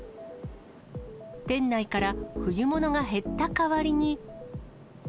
店内から冬物が減った代わりに。